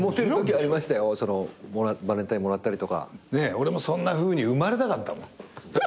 俺もそんなふうに生まれたかったもん。